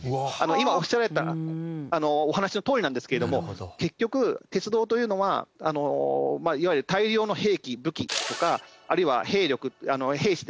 今おっしゃられたお話のとおりなんですけれども結局鉄道というのはまあいわゆる大量の兵器武器とかあるいは兵力兵士ですね